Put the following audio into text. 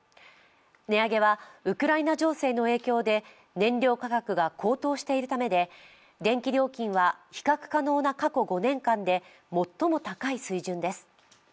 値上げはウクライナ情勢の影響で燃料価格が高騰しているためで電気料金は比較可能な過去５年間で最も高い水準です。